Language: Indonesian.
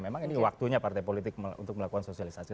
memang ini waktunya partai politik untuk melakukan sosialisasi